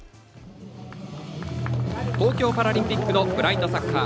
東京パラリンピックのブラインドサッカー。